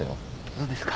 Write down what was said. そうですか。